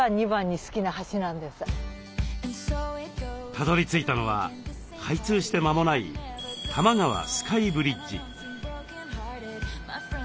たどりついたのは開通して間もない多摩川スカイブリッジ。